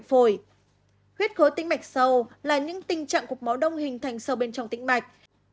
huyết khối tinh mạch sâu là những tình trạng cục máu đông hình thành sâu bên trong tinh mạch